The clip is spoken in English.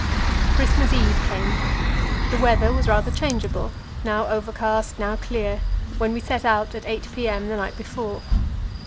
Christmas Eve came; the weather was rather changeable now overcast, now clear when we set out at 8 p.m. the night before.